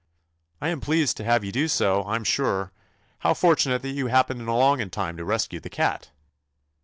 "I am gleased to have you do so, I 'm sure. How fortunate that you hap pened along in time to rescue the cat